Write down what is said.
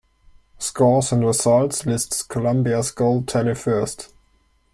Scores and results list Colombia's goal tally first.